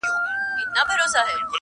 دلته راج د جبر دے احـساس مړ دے